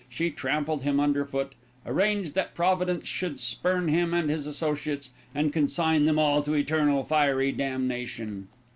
She trampled him under foot, arranged that Providence should spurn him and his associates, and consign them all to eternal and fiery damnation.